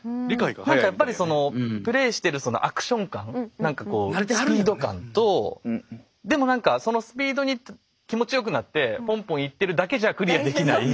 何かやっぱりそのプレイしてるそのアクション感何かこうスピード感とでも何かそのスピードに気持ちよくなってポンポンいってるだけじゃクリアできない。